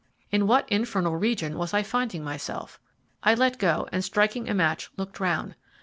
In what infernal region was I finding myself? I let go and, striking a match, looked round.